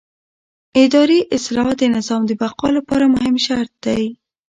اداري اصلاح د نظام د بقا لپاره مهم شرط دی